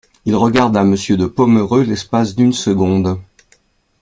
Il regarda Monsieur de Pomereux l'espace d'une seconde.